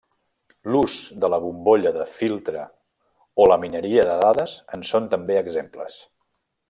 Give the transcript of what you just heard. L'ús de la bombolla de filtre o la mineria de dades en són també exemples.